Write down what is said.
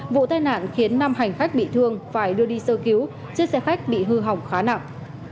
vụ tai nạn khiến năm hành khách bị thương phải đưa đi sơ cứu chiếc xe khách bị hư hỏng khá nặng